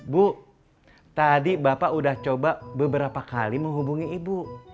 bu tadi bapak udah coba beberapa kali menghubungi ibu